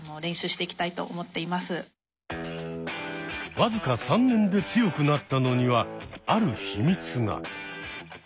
僅か３年で強くなったのにはある秘密が。